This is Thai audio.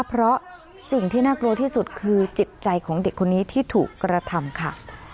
เพราะสิ่งที่น่ากลัวที่สุดคือจิตใจของเด็กคนนี้ที่ถูกกระทำค่ะ